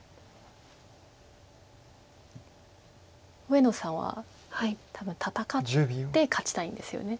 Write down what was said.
上野さんは多分戦って勝ちたいんですよね。